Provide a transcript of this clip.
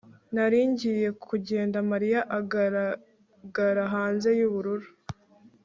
Nari ngiye kugenda Mariya agaragara hanze yubururu